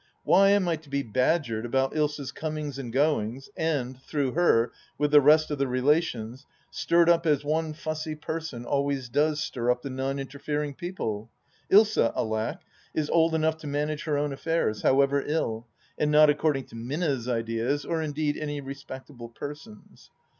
Why am I to be badgered about Ilsa's comings and goings and, through her, with the rest of the relations, stirred up as one fussy person always does stir up the non interfering people ? Ilsa — alack I — is old enough to manage her own affairs, however ill, and not according to Minna's ideas, or indeed any respectable person's.